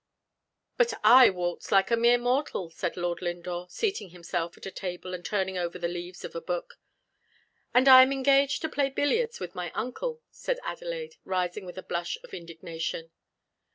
"But I waltz like a mere mortal," said Lord Lindore, seating himself at a table, and turning over the leaves of a book. "And I am engaged to play billiards with my uncle," said Adelaide, rising with a blush of indignation.